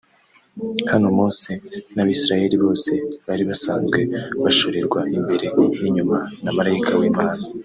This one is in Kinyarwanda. Hano Mose n'abisirayeli bose bari basanzwe bashorerwa imbere n'inyuma na malayika w'Imana